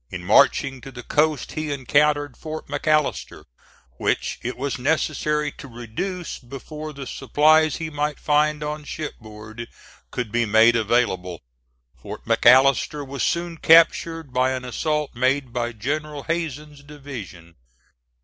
In marching to the coast he encountered Fort McAllister, which it was necessary to reduce before the supplies he might find on shipboard could be made available. Fort McAllister was soon captured by an assault made by General Hazen's division.